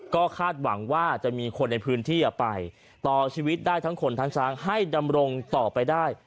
ก็คาดหวังว่าจะมีคนในพื้นที่ไปต่อชีวิตได้ทั้งคนทั้งช้างให้ดำรงต่อไปได้